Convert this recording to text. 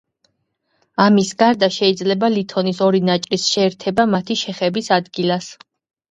ამას გარდა, შეიძლება ლითონის ორი ნაჭრის შეერთება მათი შეხების ადგილას.